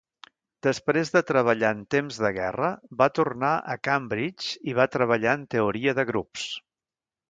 Després de treballar en temps de guerra, va tornar a Cambridge i va treballar en teoria de grups.